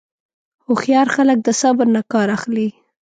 هوښیار خلک د صبر نه کار اخلي.